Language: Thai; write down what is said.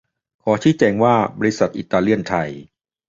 ขอชี้แจงว่า บริษัทอิตาเลียนไทย